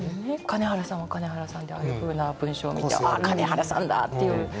金原さんは金原さんでああいうふうな文章を見てあっ金原さんだっていう。